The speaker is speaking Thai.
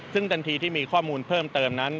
ซึ่งทันทีที่มีข้อมูลเพิ่มเติมนั้น